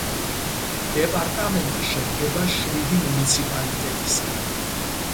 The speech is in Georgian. დეპარტამენტი შედგება შვიდი მუნიციპალიტეტისგან.